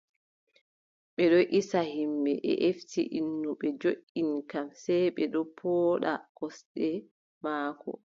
Ɓe ɗon isa yimɓe, ɓe efti innu ɓe joɗɗoni kam, sey ɓe ɗo pooɗa gosɗe maako.